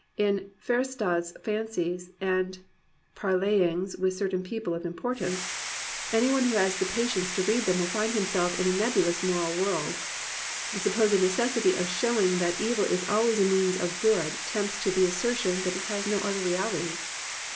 In Ferishtah's Fancies and Parleyings with Certain People of Importance, any one who has 284 GLORY OF THE IMPERFECT'* the patience to read them will find himself in a nebu lous moral world. The supposed necessity of show ing that evil is always a means to good tempts to the assertion that it has no other reality.